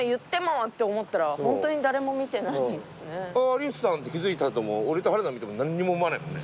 「あっ有吉さん！」って気付いた後も俺と春菜見ても何にも思わないもんね。